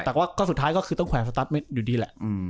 แต่ว่าสุดท้ายก็คือต้องแขวนสัตว์สัตว์อยู่ดีแหละ